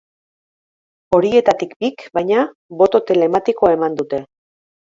Horietatik bik, baina, boto telematikoa eman dute.